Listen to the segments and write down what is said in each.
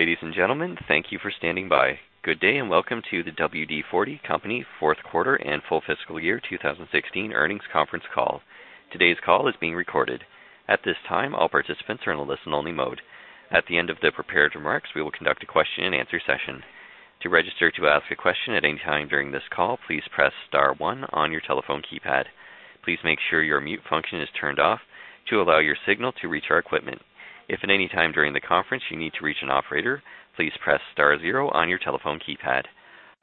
Ladies and gentlemen, thank you for standing by. Good day and welcome to the WD-40 Company Fourth Quarter and Full Fiscal Year 2016 Earnings Conference Call. Today's call is being recorded. At this time, all participants are in a listen-only mode. At the end of the prepared remarks, we will conduct a question and answer session. To register to ask a question at any time during this call, please press star one on your telephone keypad. Please make sure your mute function is turned off to allow your signal to reach our equipment. If at any time during the conference you need to reach an operator, please press star zero on your telephone keypad.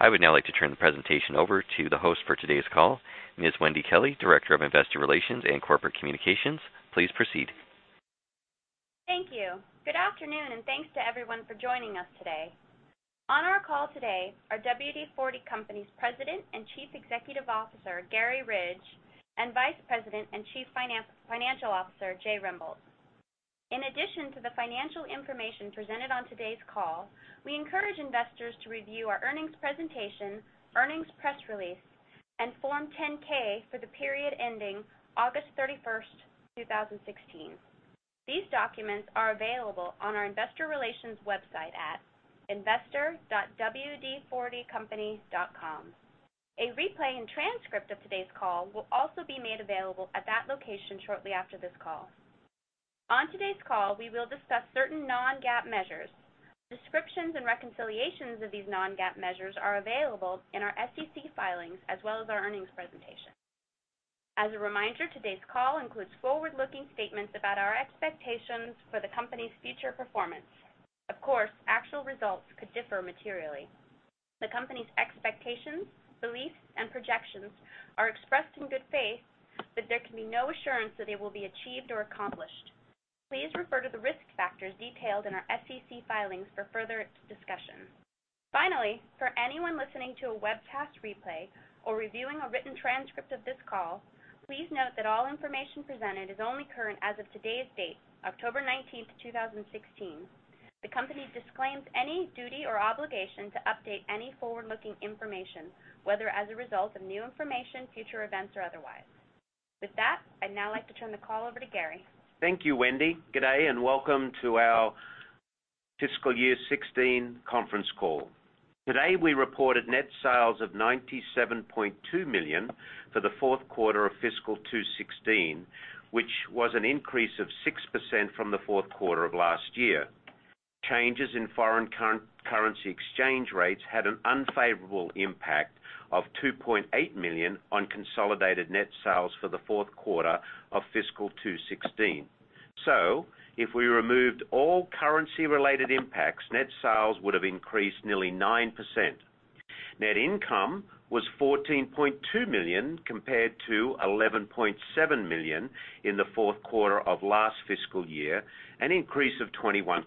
I would now like to turn the presentation over to the host for today's call, Ms. Wendy Kelley, Director of Investor Relations and Corporate Communications. Please proceed. Thank you. Good afternoon, and thanks to everyone for joining us today. On our call today are WD-40 Company's President and Chief Executive Officer, Garry Ridge, and Vice President and Chief Financial Officer, Jay Rembolt. In addition to the financial information presented on today's call, we encourage investors to review our earnings presentation, earnings press release, and Form 10-K for the period ending August 31, 2016. These documents are available on our investor.wd40company.com investor relations website. A replay and transcript of today's call will also be made available at that location shortly after this call. On today's call, we will discuss certain non-GAAP measures. Descriptions and reconciliations of these non-GAAP measures are available in our SEC filings as well as our earnings presentation. As a reminder, today's call includes forward-looking statements about our expectations for the company's future performance. Of course, actual results could differ materially. The company's expectations, beliefs, and projections are expressed in good faith, but there can be no assurance that they will be achieved or accomplished. Please refer to the risk factors detailed in our SEC filings for further discussion. Finally, for anyone listening to a webcast replay or reviewing a written transcript of this call, please note that all information presented is only current as of today's date, October 19, 2016. The company disclaims any duty or obligation to update any forward-looking information, whether as a result of new information, future events, or otherwise. With that, I'd now like to turn the call over to Garry. Thank you, Wendy. Good day, and welcome to our fiscal year 2016 conference call. Today, we reported net sales of $97.2 million for the fourth quarter of fiscal 2016, which was an increase of 6% from the fourth quarter of last year. Changes in foreign currency exchange rates had an unfavorable impact of $2.8 million on consolidated net sales for the fourth quarter of fiscal 2016. If we removed all currency-related impacts, net sales would have increased nearly 9%. Net income was $14.2 million, compared to $11.7 million in the fourth quarter of last fiscal year, an increase of 21%.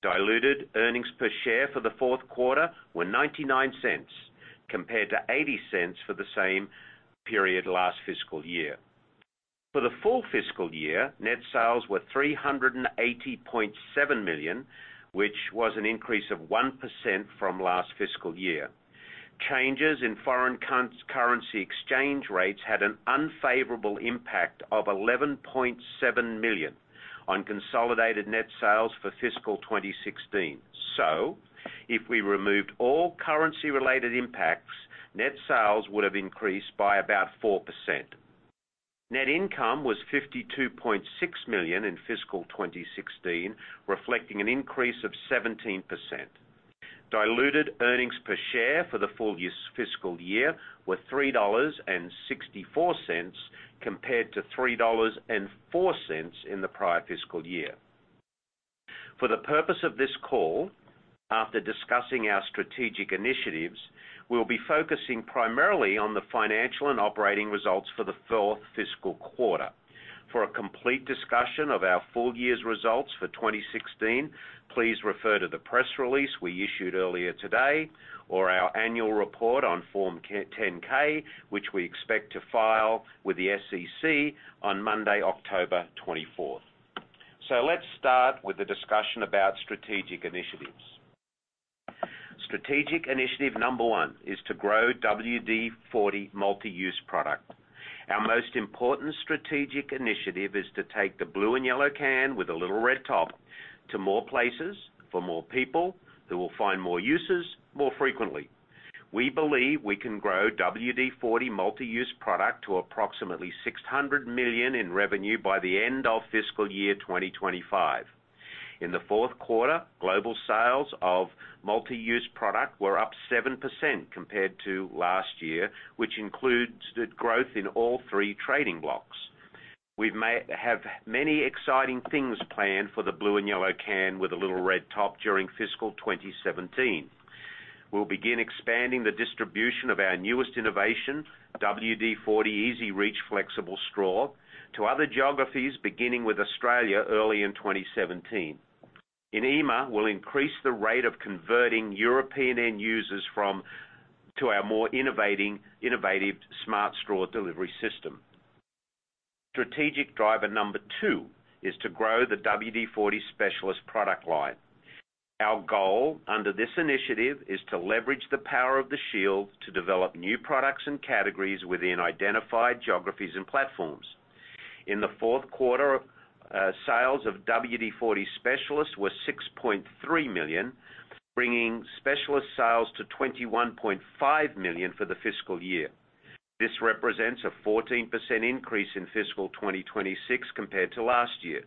Diluted earnings per share for the fourth quarter were $0.99, compared to $0.80 for the same period last fiscal year. For the full fiscal year, net sales were $380.7 million, which was an increase of 1% from last fiscal year. Changes in foreign currency exchange rates had an unfavorable impact of $11.7 million on consolidated net sales for fiscal 2016. If we removed all currency-related impacts, net sales would have increased by about 4%. Net income was $52.6 million in fiscal 2016, reflecting an increase of 17%. Diluted earnings per share for the full fiscal year were $3.64 compared to $3.04 in the prior fiscal year. For the purpose of this call, after discussing our strategic initiatives, we'll be focusing primarily on the financial and operating results for the fourth fiscal quarter. For a complete discussion of our full year's results for 2016, please refer to the press release we issued earlier today or our annual report on Form 10-K, which we expect to file with the SEC on Monday, October 24th. Let's start with a discussion about strategic initiatives. Strategic initiative number one is to grow WD-40 Multi-Use Product. Our most important strategic initiative is to take the blue and yellow can with a little red top to more places for more people who will find more uses more frequently. We believe we can grow WD-40 Multi-Use Product to approximately $600 million in revenue by the end of fiscal year 2025. In the fourth quarter, global sales of Multi-Use Product were up 7% compared to last year, which includes the growth in all three trading blocks. We have many exciting things planned for the blue and yellow can with a little red top during fiscal 2017. We'll begin expanding the distribution of our newest innovation, WD-40 EZ-REACH Flexible Straw, to other geographies, beginning with Australia early in 2017. In EMA, we'll increase the rate of converting European end users to our more innovative Smart Straw delivery system. Strategic driver number two is to grow the WD-40 Specialist product line. Our goal under this initiative is to leverage the power of the shield to develop new products and categories within identified geographies and platforms. In the fourth quarter, sales of WD-40 Specialist were $6.3 million, bringing Specialist sales to $21.5 million for the fiscal year. This represents a 14% increase in fiscal 2026 compared to last year.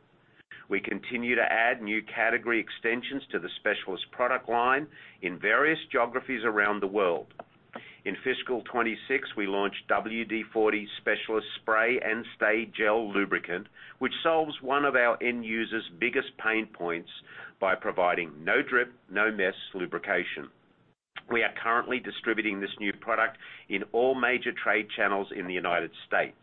We continue to add new category extensions to the Specialist product line in various geographies around the world. In fiscal 2026, we launched WD-40 Specialist Spray and Stay Gel Lubricant, which solves one of our end users' biggest pain points by providing no drip, no mess lubrication. We are currently distributing this new product in all major trade channels in the United States.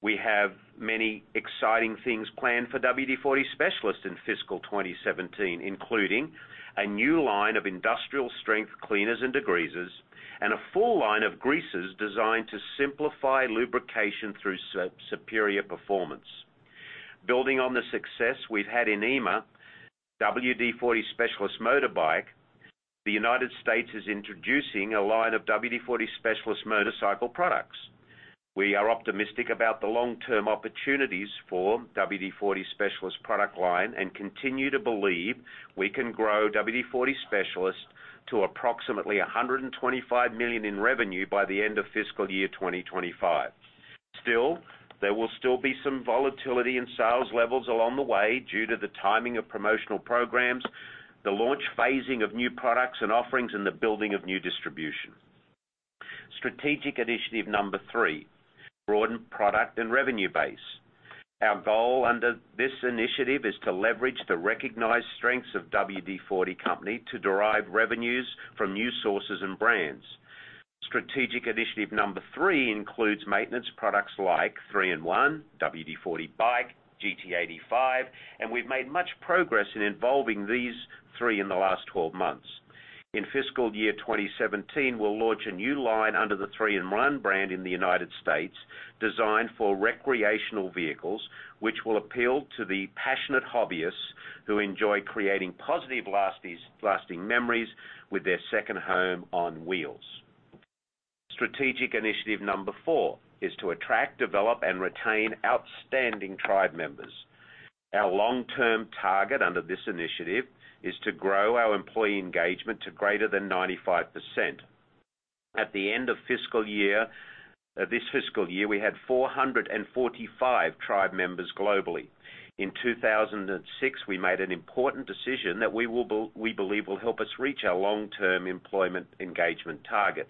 We have many exciting things planned for WD-40 Specialist in fiscal 2017, including a new line of industrial strength cleaners and degreasers, and a full line of greases designed to simplify lubrication through superior performance. Building on the success we've had in EMA, WD-40 Specialist Motorbike, the United States is introducing a line of WD-40 Specialist Motorcycle products. We are optimistic about the long-term opportunities for WD-40 Specialist product line and continue to believe we can grow WD-40 Specialist to approximately $125 million in revenue by the end of fiscal year 2025. There will still be some volatility in sales levels along the way due to the timing of promotional programs, the launch phasing of new products and offerings, and the building of new distribution. Strategic initiative number three, broaden product and revenue base. Our goal under this initiative is to leverage the recognized strengths of WD-40 Company to derive revenues from new sources and brands. Strategic initiative number three includes maintenance products like 3-IN-ONE, WD-40 BIKE, GT85, and we've made much progress in involving these three in the last 12 months. In fiscal year 2017, we'll launch a new line under the 3-IN-ONE brand in the United States, designed for recreational vehicles, which will appeal to the passionate hobbyists who enjoy creating positive lasting memories with their second home on wheels. Strategic initiative number four is to attract, develop, and retain outstanding tribe members. Our long-term target under this initiative is to grow our employee engagement to greater than 95%. At the end of this fiscal year, we had 445 tribe members globally. In 2006, we made an important decision that we believe will help us reach our long-term employment engagement target.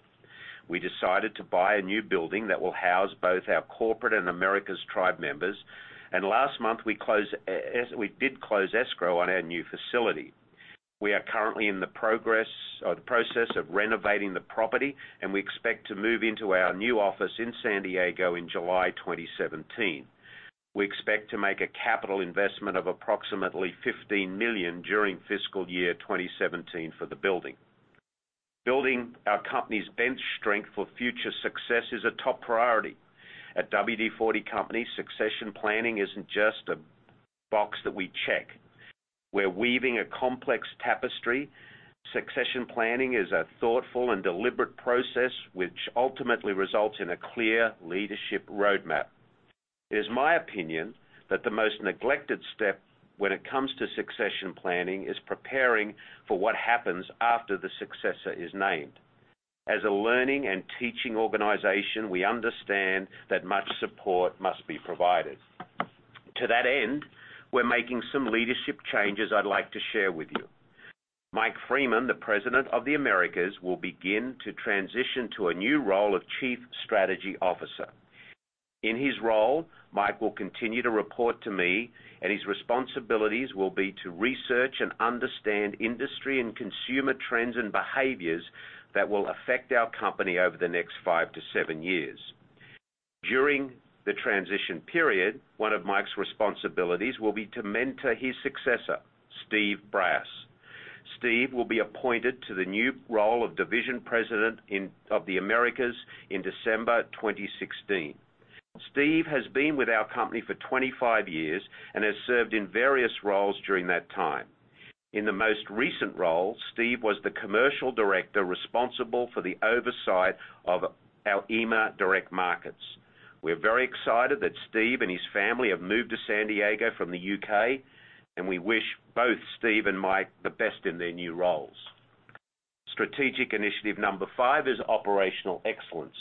We decided to buy a new building that will house both our corporate and Americas tribe members. Last month we did close escrow on our new facility. We are currently in the process of renovating the property. We expect to move into our new office in San Diego in July 2017. We expect to make a capital investment of approximately $15 million during fiscal year 2017 for the building. Building our company's bench strength for future success is a top priority. At WD-40 Company, succession planning isn't just a box that we check. We're weaving a complex tapestry. Succession planning is a thoughtful and deliberate process which ultimately results in a clear leadership roadmap. It is my opinion that the most neglected step when it comes to succession planning is preparing for what happens after the successor is named. As a learning and teaching organization, we understand that much support must be provided. To that end, we're making some leadership changes I'd like to share with you. Mike Freeman, the President of the Americas, will begin to transition to a new role of Chief Strategy Officer. In his role, Mike will continue to report to me, and his responsibilities will be to research and understand industry and consumer trends and behaviors that will affect our company over the next five to seven years. During the transition period, one of Mike's responsibilities will be to mentor his successor, Steve Brass. Steve will be appointed to the new role of Division President of the Americas in December 2016. Steve has been with our company for 25 years and has served in various roles during that time. In the most recent role, Steve was the commercial director responsible for the oversight of our EMA direct markets. We're very excited that Steve and his family have moved to San Diego from the U.K. We wish both Steve and Mike the best in their new roles. Strategic initiative number five is operational excellence.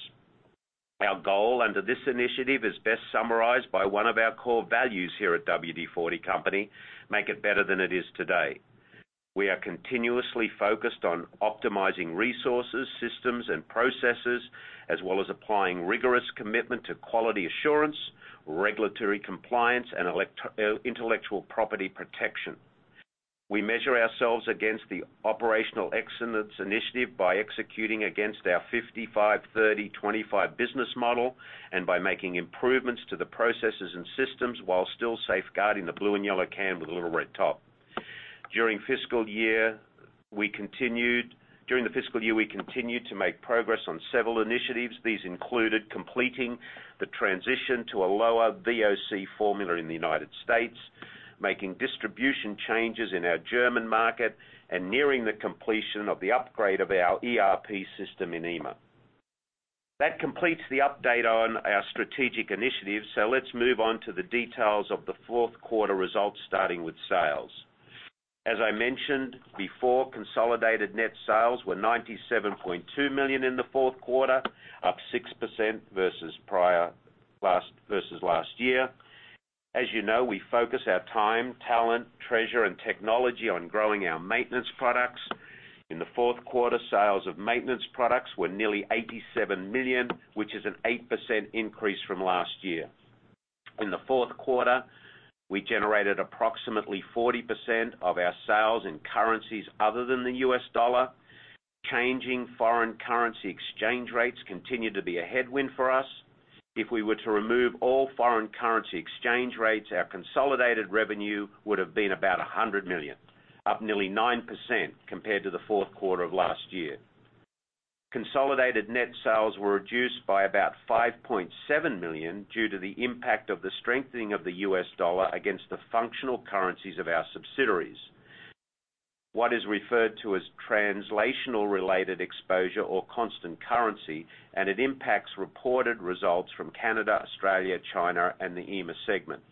Our goal under this initiative is best summarized by one of our core values here at WD-40 Company, make it better than it is today. We are continuously focused on optimizing resources, systems, and processes, as well as applying rigorous commitment to quality assurance, regulatory compliance, and intellectual property protection. We measure ourselves against the operational excellence initiative by executing against our 55:30:25 business model, by making improvements to the processes and systems, while still safeguarding the blue and yellow can with a little red top. During the fiscal year, we continued to make progress on several initiatives. These included completing the transition to a lower VOC formula in the U.S. Making distribution changes in our German market and nearing the completion of the upgrade of our ERP system in EMA. That completes the update on our strategic initiatives. Let's move on to the details of the fourth quarter results, starting with sales. As I mentioned before, consolidated net sales were $97.2 million in the fourth quarter, up 6% versus last year. As you know, we focus our time, talent, treasure and technology on growing our maintenance products. In the fourth quarter, sales of maintenance products were nearly $87 million, which is an 8% increase from last year. In the fourth quarter, we generated approximately 40% of our sales in currencies other than the U.S. dollar. Changing foreign currency exchange rates continue to be a headwind for us. If we were to remove all foreign currency exchange rates, our consolidated revenue would have been about $100 million, up nearly 9% compared to the fourth quarter of last year. Consolidated net sales were reduced by about $5.7 million due to the impact of the strengthening of the U.S. dollar against the functional currencies of our subsidiaries. What is referred to as translational related exposure or constant currency, and it impacts reported results from Canada, Australia, China and the EMA segment.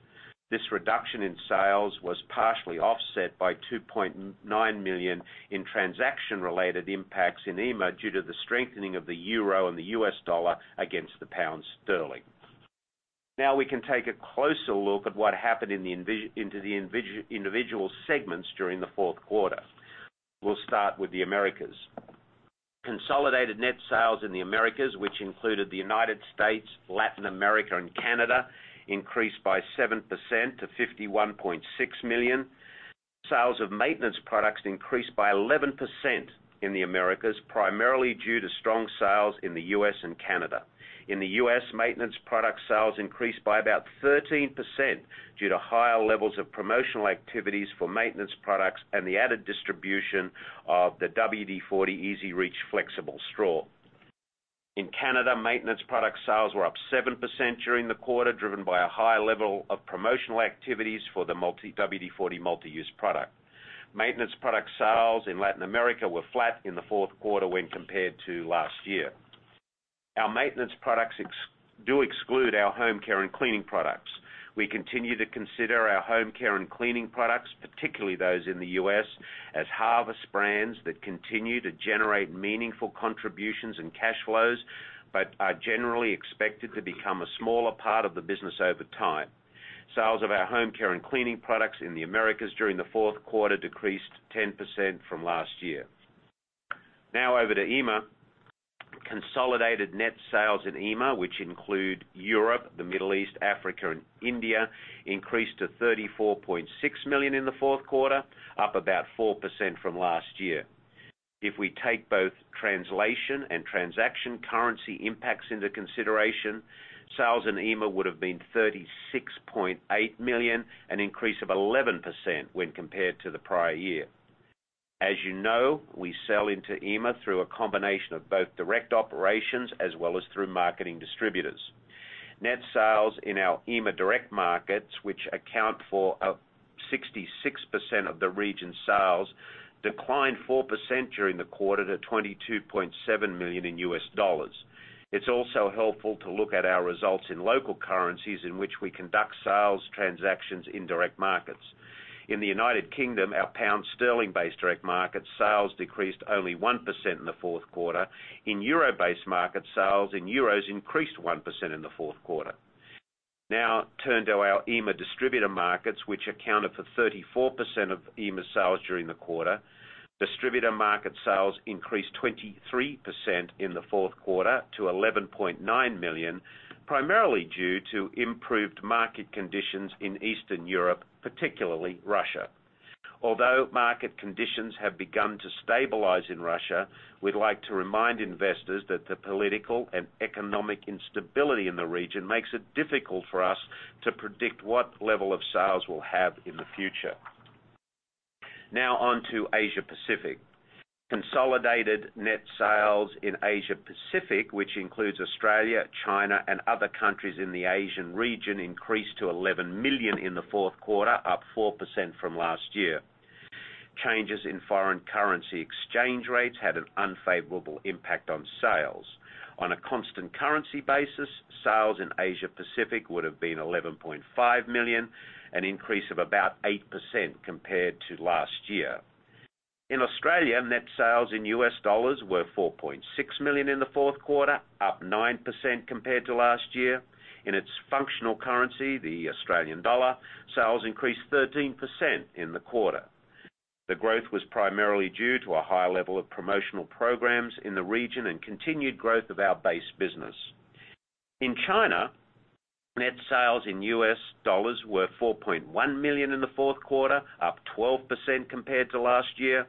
This reduction in sales was partially offset by $2.9 million in transaction-related impacts in EMA due to the strengthening of the EUR and the U.S. dollar against the GBP. We can take a closer look at what happened into the individual segments during the fourth quarter. We'll start with the Americas. Consolidated net sales in the Americas, which included the U.S., Latin America and Canada, increased by 7% to $51.6 million. Sales of maintenance products increased by 11% in the Americas, primarily due to strong sales in the U.S. and Canada. In the U.S., maintenance product sales increased by about 13% due to higher levels of promotional activities for maintenance products and the added distribution of the WD-40 EZ-REACH flexible straw. In Canada, maintenance product sales were up 7% during the quarter, driven by a high level of promotional activities for the WD-40 Multi-Use Product. Maintenance product sales in Latin America were flat in the fourth quarter when compared to last year. Our maintenance products do exclude our home care and cleaning products. We continue to consider our home care and cleaning products, particularly those in the U.S., as harvest brands that continue to generate meaningful contributions and cash flows, but are generally expected to become a smaller part of the business over time. Sales of our home care and cleaning products in the Americas during the fourth quarter decreased 10% from last year. Over to EMA. Consolidated net sales in EMA, which include Europe, the Middle East, Africa and India, increased to $34.6 million in the fourth quarter, up about 4% from last year. If we take both translation and transaction currency impacts into consideration, sales in EMA would have been $36.8 million, an increase of 11% when compared to the prior year. As you know, we sell into EMA through a combination of both direct operations as well as through marketing distributors. Net sales in our EMA direct markets, which account for 66% of the region's sales, declined 4% during the quarter to $22.7 million. It's also helpful to look at our results in local currencies in which we conduct sales transactions in direct markets. In the U.K., our GBP-based direct market sales decreased only 1% in the fourth quarter. In EUR-based markets, sales in EUR increased 1% in the fourth quarter. Turn to our EMA distributor markets, which accounted for 34% of EMA sales during the quarter. Distributor market sales increased 23% in the fourth quarter to $11.9 million, primarily due to improved market conditions in Eastern Europe, particularly Russia. Although market conditions have begun to stabilize in Russia, we'd like to remind investors that the political and economic instability in the region makes it difficult for us to predict what level of sales we'll have in the future. On to Asia Pacific. Consolidated net sales in Asia Pacific, which includes Australia, China and other countries in the Asian region, increased to $11 million in the fourth quarter, up 4% from last year. Changes in foreign currency exchange rates had an unfavorable impact on sales. On a constant currency basis, sales in Asia Pacific would have been $11.5 million, an increase of about 8% compared to last year. In Australia, net sales in US dollars were $4.6 million in the fourth quarter, up 9% compared to last year. In its functional currency, the AUD, sales increased 13% in the quarter. The growth was primarily due to a high level of promotional programs in the region and continued growth of our base business. In China, net sales in US dollars were $4.1 million in the fourth quarter, up 12% compared to last year.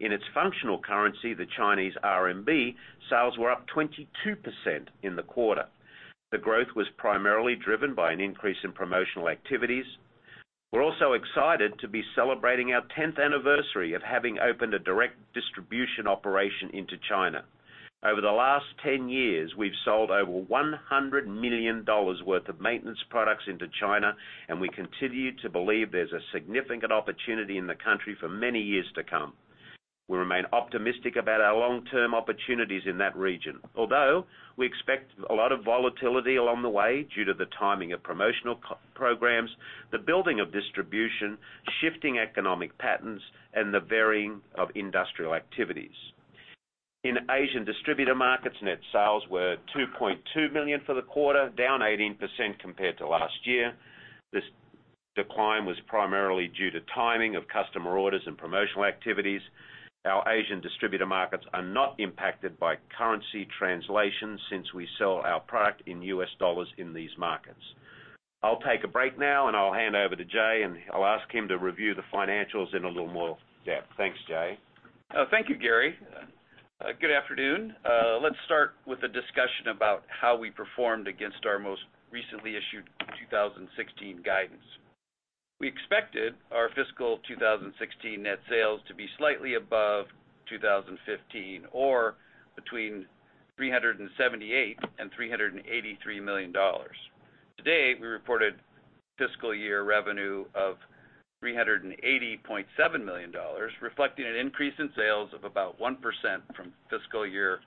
In its functional currency, the CNY, sales were up 22% in the quarter. The growth was primarily driven by an increase in promotional activities. We're also excited to be celebrating our 10th anniversary of having opened a direct distribution operation into China. Over the last 10 years, we've sold over $100 million worth of maintenance products into China, and we continue to believe there's a significant opportunity in the country for many years to come. We remain optimistic about our long-term opportunities in that region. Although we expect a lot of volatility along the way due to the timing of promotional programs, the building of distribution, shifting economic patterns, and the varying of industrial activities. In Asian distributor markets, net sales were $2.2 million for the quarter, down 18% compared to last year. This decline was primarily due to timing of customer orders and promotional activities. Our Asian distributor markets are not impacted by currency translation since we sell our product in US dollars in these markets. I'll take a break now and I'll hand over to Jay, and I'll ask him to review the financials in a little more depth. Thanks, Jay. Thank you, Garry. Good afternoon. Let's start with a discussion about how we performed against our most recently issued 2016 guidance. We expected our fiscal 2016 net sales to be slightly above 2015 or between $378 and $383 million. Today, we reported fiscal year revenue of $380.7 million, reflecting an increase in sales of about 1% from fiscal year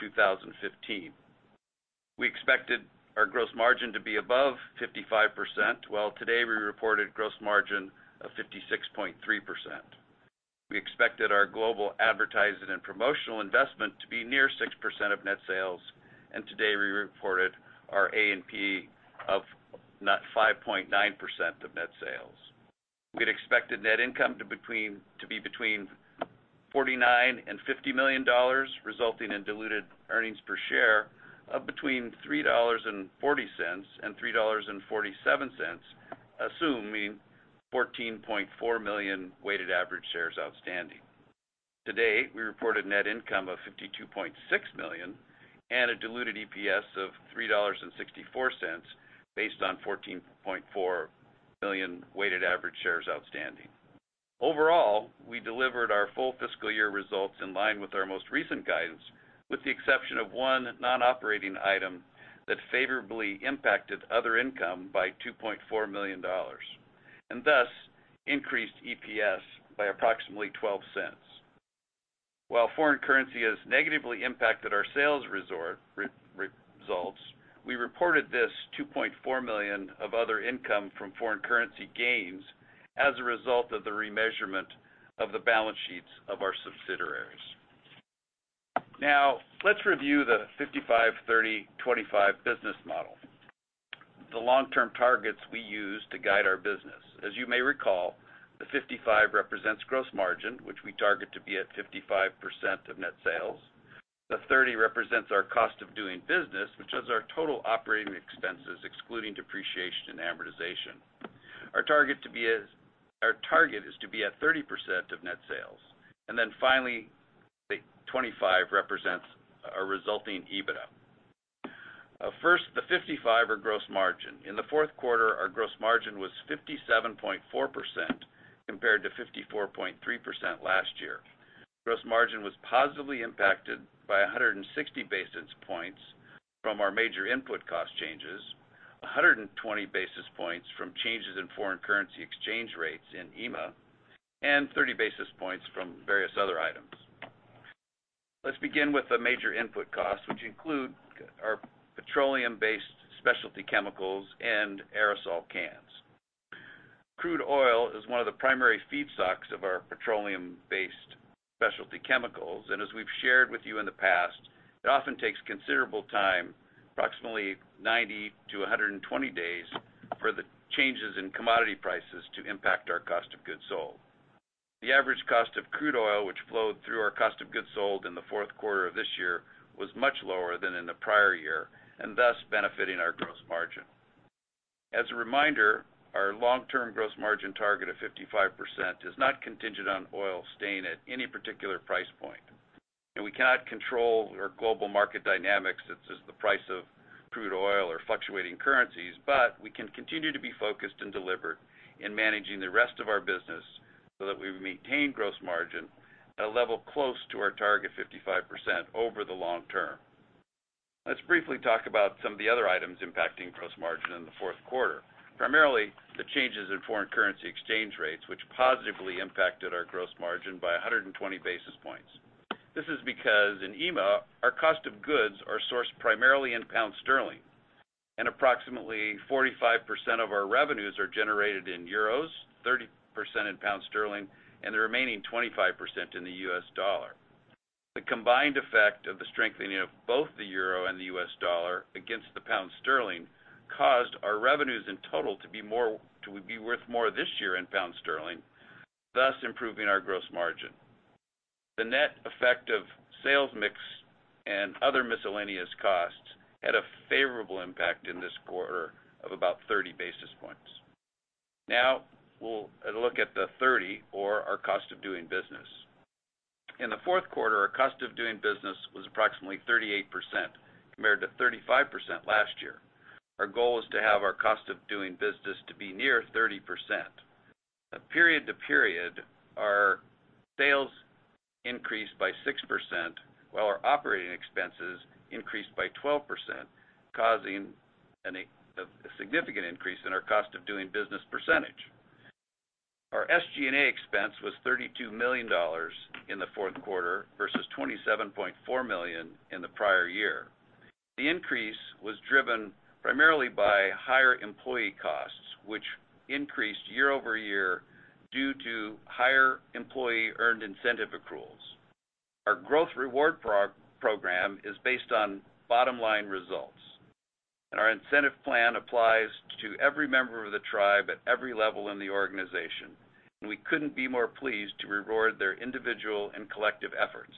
2015. We expected our gross margin to be above 55%, while today we reported gross margin of 56.3%. We expected our global advertising and promotional investment to be near 6% of net sales, and today we reported our A&P of 5.9% of net sales. We had expected net income to be between $49 and $50 million, resulting in diluted earnings per share of between $3.40 and $3.47, assuming 14.4 million weighted average shares outstanding. Today, we reported net income of $52.6 million and a diluted EPS of $3.64, based on 14.4 million weighted average shares outstanding. Overall, we delivered our full fiscal year results in line with our most recent guidance, with the exception of one non-operating item that favorably impacted other income by $2.4 million, thus increased EPS by approximately $0.12. While foreign currency has negatively impacted our sales results, we reported this $2.4 million of other income from foreign currency gains as a result of the remeasurement of the balance sheets of our subsidiaries. Let's review the 55/30/25 business model, the long-term targets we use to guide our business. As you may recall, the 55 represents gross margin, which we target to be at 55% of net sales. The 30 represents our cost of doing business, which is our total operating expenses, excluding depreciation and amortization. Our target is to be at 30% of net sales. Finally, the 25 represents our resulting EBITDA. First, the 55 or gross margin. In the fourth quarter, our gross margin was 57.4% compared to 54.3% last year. Gross margin was positively impacted by 160 basis points from our major input cost changes, 120 basis points from changes in foreign currency exchange rates in EMA, and 30 basis points from various other items. Let's begin with the major input costs, which include our petroleum-based specialty chemicals and aerosol cans. Crude oil is one of the primary feedstocks of our petroleum-based specialty chemicals, as we've shared with you in the past, it often takes considerable time, approximately 90 to 120 days, for the changes in commodity prices to impact our cost of goods sold. The average cost of crude oil, which flowed through our cost of goods sold in the fourth quarter of this year, was much lower than in the prior year, thus benefiting our gross margin. As a reminder, our long-term gross margin target of 55% is not contingent on oil staying at any particular price point. We cannot control our global market dynamics, such as the price of crude oil or fluctuating currencies, but we can continue to be focused and deliver in managing the rest of our business so that we maintain gross margin at a level close to our target 55% over the long term. Let's briefly talk about some of the other items impacting gross margin in the fourth quarter, primarily the changes in foreign currency exchange rates, which positively impacted our gross margin by 120 basis points. This is because in EMA, our cost of goods are sourced primarily in pound sterling, and approximately 45% of our revenues are generated in euros, 30% in pound sterling, and the remaining 25% in the US dollar. The combined effect of the strengthening of both the euro and the US dollar against the pound sterling caused our revenues in total to be worth more this year in pound sterling, thus improving our gross margin. The net effect of sales mix and other miscellaneous costs had a favorable impact in this quarter of about 30 basis points. Now, we'll look at the 30, or our cost of doing business. In the fourth quarter, our cost of doing business was approximately 38% compared to 35% last year. Our goal is to have our cost of doing business to be near 30%. Period to period, our sales increased by 6%, while our operating expenses increased by 12%, causing a significant increase in our cost of doing business percentage. Our SG&A expense was $32 million in the fourth quarter versus $27.4 million in the prior year. The increase was driven primarily by higher employee costs, which increased year-over-year due to higher employee earned incentive accruals. Our growth reward program is based on bottom line results, Our incentive plan applies to every member of the tribe at every level in the organization, We couldn't be more pleased to reward their individual and collective efforts.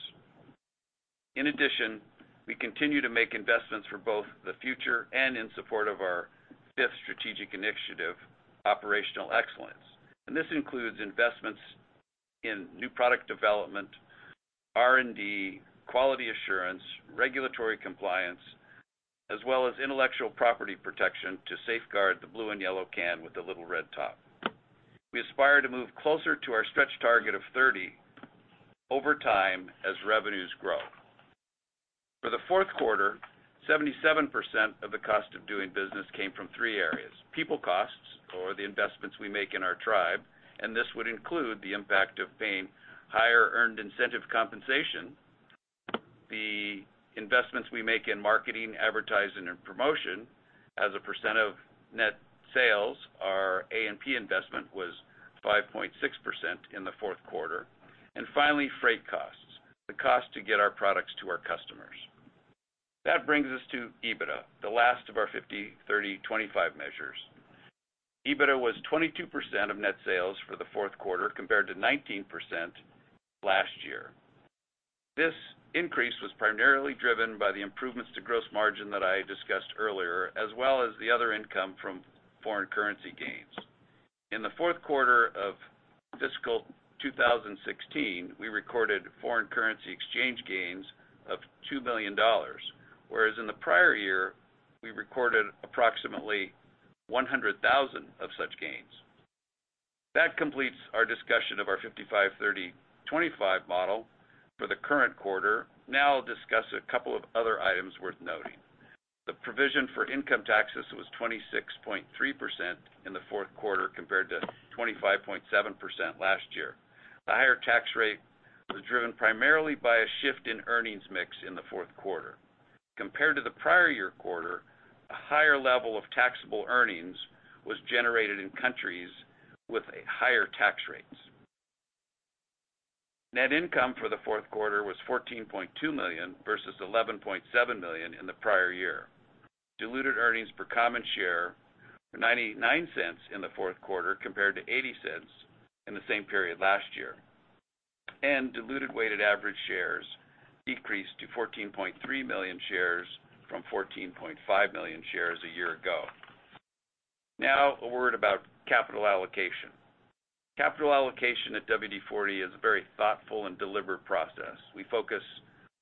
In addition, we continue to make investments for both the future and in support of our fifth strategic initiative, Operational Excellence. This includes investments in new product development, R&D, quality assurance, regulatory compliance, as well as intellectual property protection to safeguard the blue and yellow can with the little red top. We aspire to move closer to our stretch target of 30 over time as revenues grow. For the fourth quarter, 77% of the cost of doing business came from three areas. People costs, or the investments we make in our tribe, This would include the impact of paying higher earned incentive compensation, the investments we make in marketing, advertising, and promotion as a percent of net sales. Our A&P investment was 5.6% in the fourth quarter. Finally, freight costs, the cost to get our products to our customers. That brings us to EBITDA, the last of our 55-30-25 measures. EBITDA was 22% of net sales for the fourth quarter compared to 19% last year. This increase was primarily driven by the improvements to gross margin that I discussed earlier, as well as the other income from foreign currency gains. In the fourth quarter of fiscal 2016, we recorded foreign currency exchange gains of $2 million, whereas in the prior year, we recorded approximately $100,000 of such gains. That completes our discussion of our 55-30-25 model for the current quarter. I'll discuss a couple of other items worth noting. The provision for income taxes was 26.3% in the fourth quarter compared to 25.7% last year. The higher tax rate was driven primarily by a shift in earnings mix in the fourth quarter. Compared to the prior year quarter, a higher level of taxable earnings was generated in countries with higher tax rates. Net income for the fourth quarter was $14.2 million versus $11.7 million in the prior year. Diluted earnings per common share were $0.99 in the fourth quarter compared to $0.80 in the same period last year. Diluted weighted average shares decreased to 14.3 million shares from 14.5 million shares a year ago. Now, a word about capital allocation. Capital allocation at WD-40 is a very thoughtful and deliberate process. We focus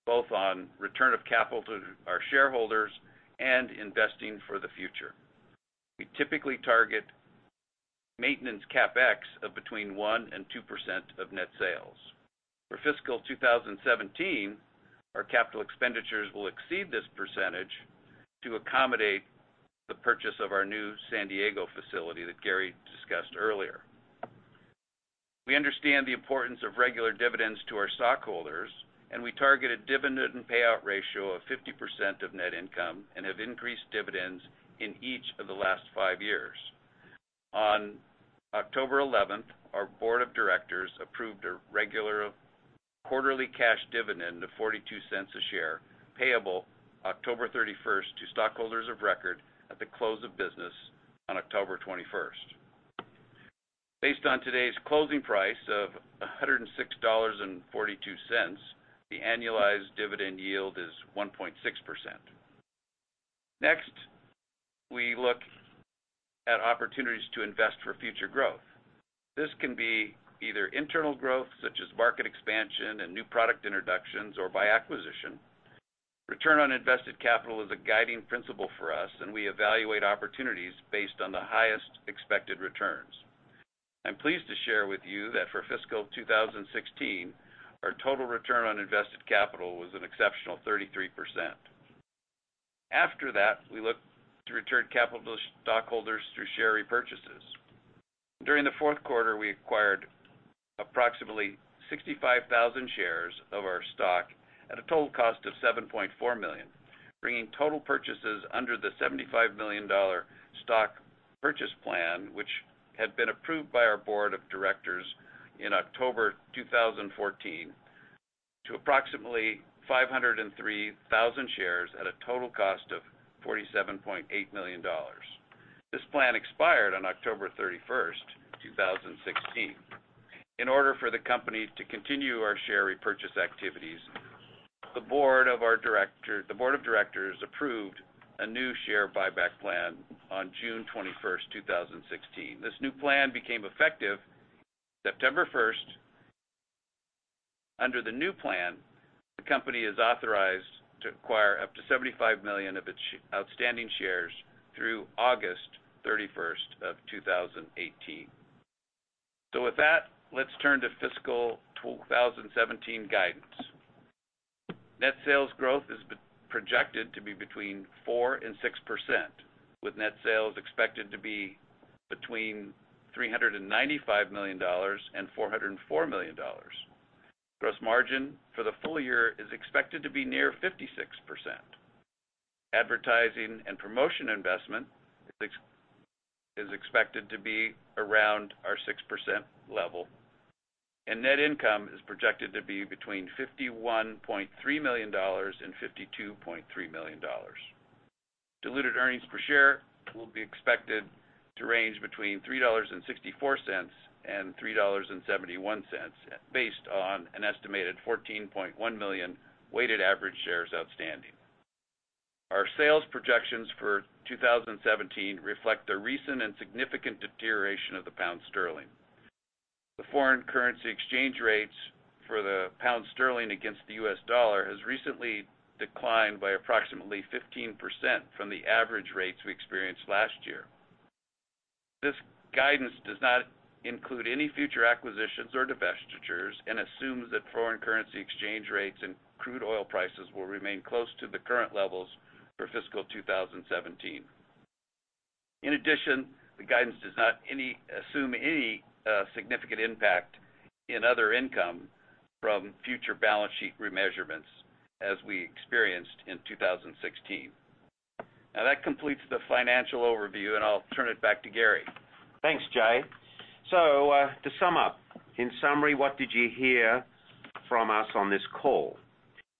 both on return of capital to our shareholders and investing for the future. We typically target maintenance CapEx of between 1% and 2% of net sales. For fiscal 2017, our capital expenditures will exceed this percentage to accommodate the purchase of our new San Diego facility that Garry discussed earlier. We understand the importance of regular dividends to our stockholders, we target a dividend payout ratio of 50% of net income and have increased dividends in each of the last five years. On October 11th, our board of directors approved a regular quarterly cash dividend of $0.42 a share, payable October 31st to stockholders of record at the close of business on October 21st. Based on today's closing price of $106.42, the annualized dividend yield is 1.6%. Next, we look at opportunities to invest for future growth. This can be either internal growth, such as market expansion and new product introductions, or by acquisition. Return on invested capital is a guiding principle for us, we evaluate opportunities based on the highest expected returns. I'm pleased to share with you that for fiscal 2016, our total return on invested capital was an exceptional 33%. After that, we look to return capital to stockholders through share repurchases. During the fourth quarter, we acquired approximately 65,000 shares of our stock at a total cost of $7.4 million, bringing total purchases under the $75 million stock purchase plan, which had been approved by our board of directors in October 2014 to approximately 503,000 shares at a total cost of $47.8 million. This plan expired on October 31st, 2016. In order for the company to continue our share repurchase activities, the board of directors approved a new share buyback plan on June 21st, 2016. This new plan became effective September 1st. Under the new plan, the company is authorized to acquire up to $75 million of its outstanding shares through August 31st of 2018. With that, let's turn to fiscal 2017 guidance. Net sales growth is projected to be between 4% and 6%, with net sales expected to be between $395 million and $404 million. Gross margin for the full year is expected to be near 56%. A&P investment is expected to be around our 6% level, net income is projected to be between $51.3 million and $52.3 million. Diluted earnings per share will be expected to range between $3.64 and $3.71, based on an estimated 14.1 million weighted average shares outstanding. Our sales projections for 2017 reflect the recent and significant deterioration of the pound sterling. The foreign currency exchange rates for the pound sterling against the US dollar has recently declined by approximately 15% from the average rates we experienced last year. This guidance does not include any future acquisitions or divestitures and assumes that foreign currency exchange rates and crude oil prices will remain close to the current levels for fiscal 2017. In addition, the guidance does not assume any significant impact in other income from future balance sheet remeasurements as we experienced in 2016. That completes the financial overview, and I'll turn it back to Garry. Thanks, Jay. To sum up, in summary, what did you hear from us on this call?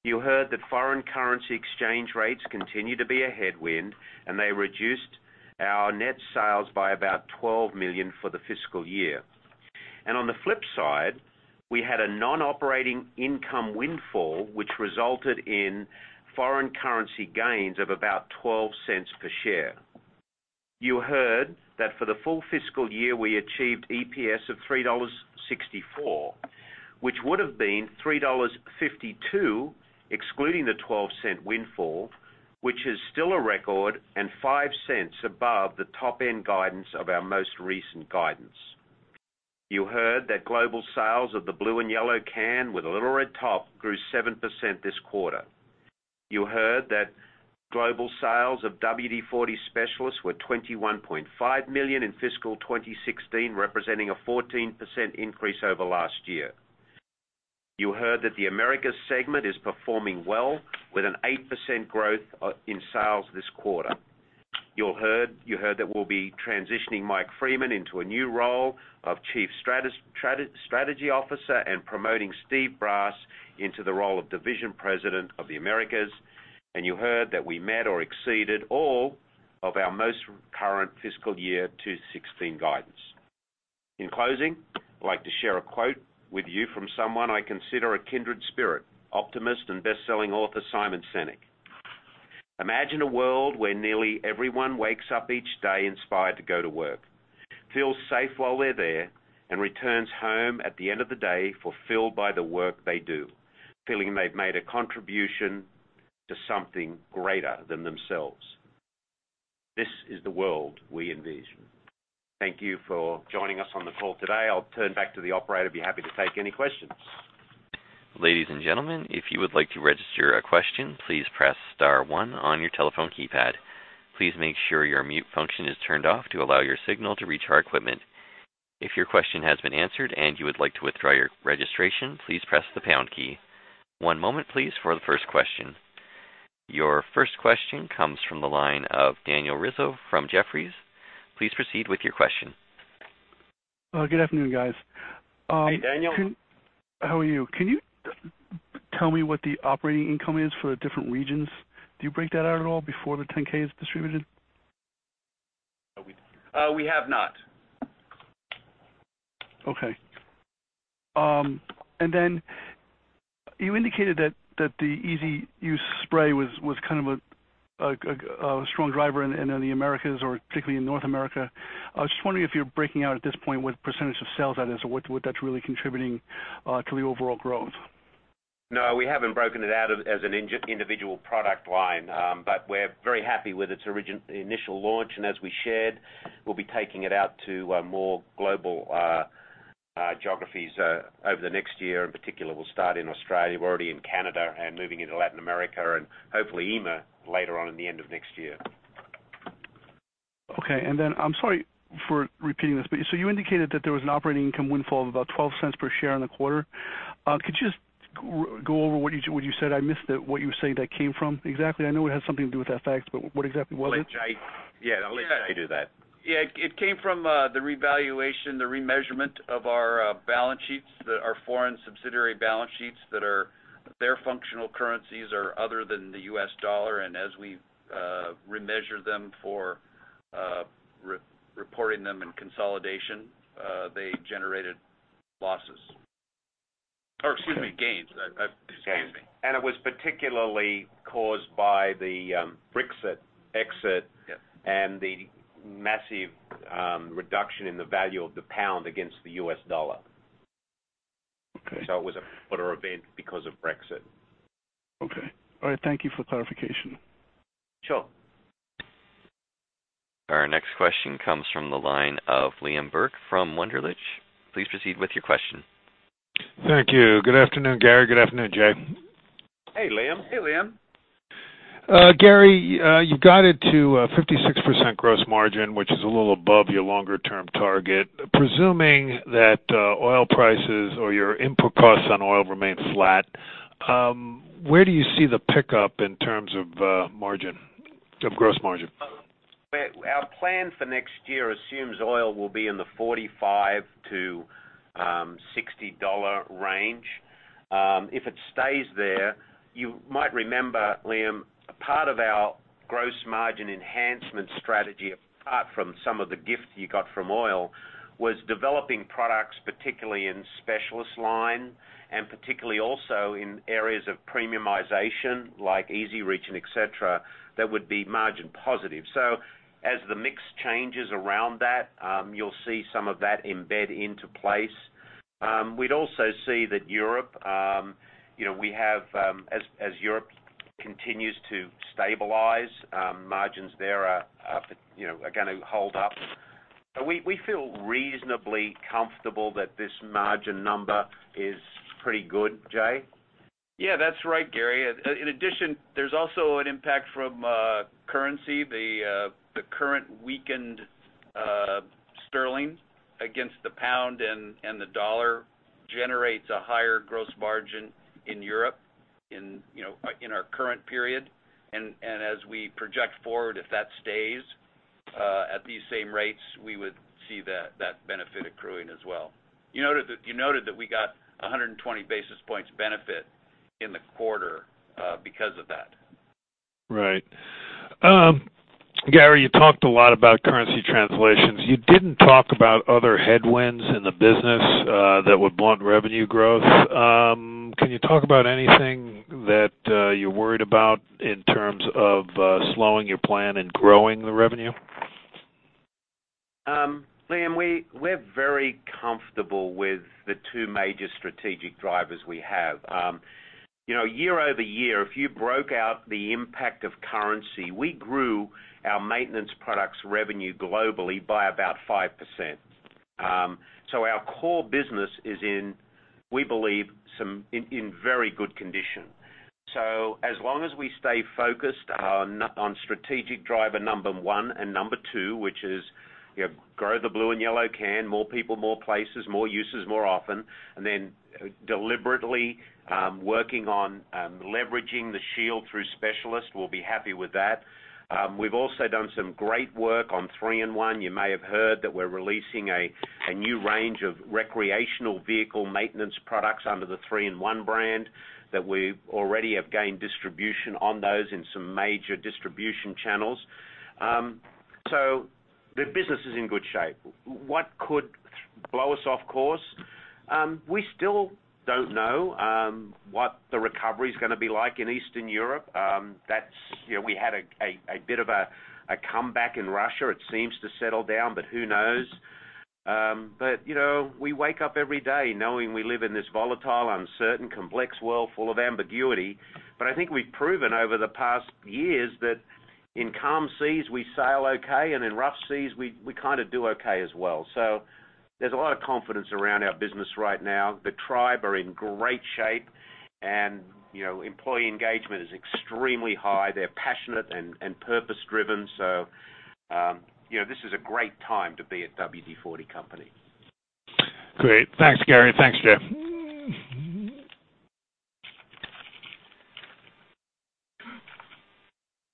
You heard that foreign currency exchange rates continue to be a headwind, and they reduced our net sales by about $12 million for the fiscal year. On the flip side, we had a non-operating income windfall, which resulted in foreign currency gains of about $0.12 per share. You heard that for the full fiscal year, we achieved EPS of $3.64, which would've been $3.52 excluding the $0.12 windfall, which is still a record and $0.05 above the top-end guidance of our most recent guidance. You heard that global sales of the blue and yellow can with a little red top grew 7% this quarter. You heard that global sales of WD-40 Specialist were $21.5 million in fiscal 2016, representing a 14% increase over last year. You heard that the Americas segment is performing well with an 8% growth in sales this quarter. You heard that we'll be transitioning Mike Freeman into a new role of Chief Strategy Officer and promoting Steve Brass into the role of Division President of the Americas. You heard that we met or exceeded all of our most current fiscal year 2016 guidance. In closing, I'd like to share a quote with you from someone I consider a kindred spirit, optimist, and best-selling author, Simon Sinek. "Imagine a world where nearly everyone wakes up each day inspired to go to work, feels safe while they're there, and returns home at the end of the day fulfilled by the work they do, feeling they've made a contribution to something greater than themselves." This is the world we envision. Thank you for joining us on the call today. I'll turn back to the operator, who'd be happy to take any questions. Ladies and gentlemen, if you would like to register a question, please press *1 on your telephone keypad. Please make sure your mute function is turned off to allow your signal to reach our equipment. If your question has been answered and you would like to withdraw your registration, please press the # key. One moment, please, for the first question. Your first question comes from the line of Daniel Rizzo from Jefferies. Please proceed with your question. Good afternoon, guys. Hey, Daniel. How are you? Can you tell me what the operating income is for the different regions? Do you break that out at all before the 10-K is distributed? We have not. Okay. Then you indicated that the Easy Use Spray was kind of a strong driver in the Americas or particularly in North America. I was just wondering if you're breaking out at this point what percentage of sales that is or what that's really contributing to the overall growth. No, we haven't broken it out as an individual product line. We're very happy with its initial launch, and as we shared, we'll be taking it out to more global geographies over the next year. In particular, we'll start in Australia. We're already in Canada and moving into Latin America and hopefully EMA later on in the end of next year. Okay, then I'm sorry for repeating this, you indicated that there was an operating income windfall of about $0.12 per share in the quarter. Could you just go over what you said? I missed what you were saying that came from exactly. I know it had something to do with FX, what exactly was it? I'll let Jay do that. Yeah. It came from the revaluation, the remeasurement of our balance sheets, our foreign subsidiary balance sheets that their functional currencies are other than the US dollar, as we remeasure them for reporting them in consolidation, they generated losses. Or excuse me, gains. Excuse me. Gains. It was particularly caused by the Brexit exit. The massive reduction in the value of the pound against the US dollar. Okay. It was a [other event] because of Brexit. Okay. All right. Thank you for clarification. Sure. Our next question comes from the line of Liam Burke from Wunderlich. Please proceed with your question. Thank you. Good afternoon, Garry. Good afternoon, Jay. Hey, Liam. Hey, Liam. Garry, you got it to 56% gross margin, which is a little above your longer-term target. Presuming that oil prices or your input costs on oil remain flat, where do you see the pickup in terms of gross margin? Our plan for next year assumes oil will be in the $45-$60 range. If it stays there, you might remember, Liam, a part of our gross margin enhancement strategy, apart from some of the gift you got from oil, was developing products, particularly in WD-40 Specialist line, and particularly also in areas of premiumization, like WD-40 EZ-REACH and et cetera, that would be margin positive. As the mix changes around that, you'll see some of that embed into place. We'd also see that Europe, as Europe continues to stabilize, margins there are going to hold up. We feel reasonably comfortable that this margin number is pretty good, Jay? Yeah, that's right, Garry. In addition, there's also an impact from currency. The current weakened sterling against the pound and the dollar generates a higher gross margin in Europe in our current period. As we project forward, if that stays at these same rates, we would see that benefit accruing as well. You noted that we got 120 basis points benefit in the quarter because of that. Right. Garry, you talked a lot about currency translations. You didn't talk about other headwinds in the business that would blunt revenue growth. Can you talk about anything that you're worried about in terms of slowing your plan and growing the revenue? Liam, we're very comfortable with the two major strategic drivers we have. Year-over-year, if you broke out the impact of currency, we grew our maintenance products revenue globally by about 5%. Our core business is in, we believe, in very good condition. As long as we stay focused on strategic driver number 1 and number 2, which is grow the blue and yellow can, more people, more places, more uses, more often, and then deliberately working on leveraging the shield through Specialist, we'll be happy with that. We've also done some great work on 3-IN-ONE. You may have heard that we're releasing a new range of recreational vehicle maintenance products under the 3-IN-ONE brand that we already have gained distribution on those in some major distribution channels. The business is in good shape. What could blow us off course? We still don't know what the recovery's gonna be like in Eastern Europe. We had a bit of a comeback in Russia. It seems to settle down, who knows? We wake up every day knowing we live in this volatile, uncertain, complex world full of ambiguity. I think we've proven over the past years that in calm seas, we sail okay, and in rough seas, we kind of do okay as well. There's a lot of confidence around our business right now. The tribe are in great shape, and employee engagement is extremely high. They're passionate and purpose-driven. This is a great time to be at WD-40 Company. Great. Thanks, Garry. Thanks, Jay.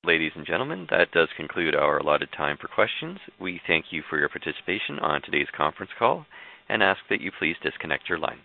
Ladies and gentlemen, that does conclude our allotted time for questions. We thank you for your participation on today's conference call and ask that you please disconnect your line.